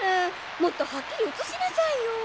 もっとはっきりうつしなさいよ。